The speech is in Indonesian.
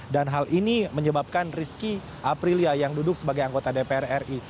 dan hal ini menyebabkan rizky aprilia yang duduk sebagai anggota dpr ri